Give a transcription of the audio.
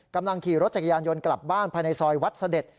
กำลังขี่รถจักรยานยนต์กลับบ้านภายในซอยวัดเสด็จ